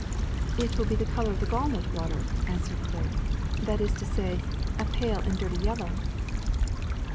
'' ^'It will be the color of the gallnut water," answered Claire; ^'that is to say, a pale and dirty yellow.